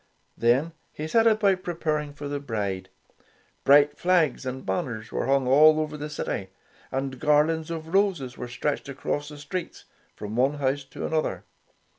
Then he set about preparing for the bridal. Bright flags and banners were hung all over the city, and garlands of roses were stretched across the streets, from one ouseh to another.